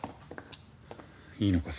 いいのか？